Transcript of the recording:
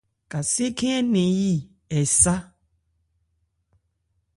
Kasé khɛ́n ɛ̀ɛ́ nɛn yí ɛ sá.